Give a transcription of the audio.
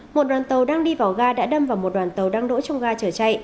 một đoàn tàu đang đi vào ga đã đâm vào một đoàn tàu đang đỗ trong ga chở chạy